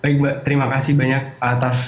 baik mbak terima kasih banyak atas